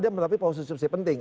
dia mencapai posisi penting